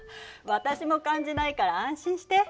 私も感じないから安心して。